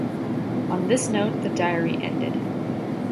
On this note the diary ended.